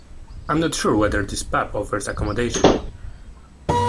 I’m not sure whether this pub offers accommodation